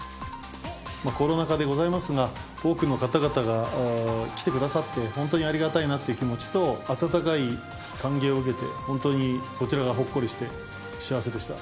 コロナ禍でございますが、多くの方々が来てくださって、本当にありがたいなっていう気持ちと、温かい歓迎を受けて、本当にこちらがほっこりして、幸せでした。